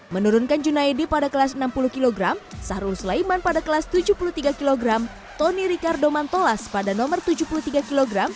menurunkan junaidi pada kelas enam puluh kg sahrul sulaiman pada kelas tujuh puluh tiga kg tony ricardo mantolas pada nomor tujuh puluh tiga kg